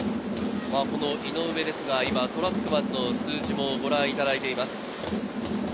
井上ですが、トラックマンの数字をご覧いただいています。